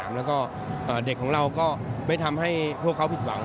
แล้วก็เด็กของเราก็ไม่ทำให้พวกเขาผิดหวัง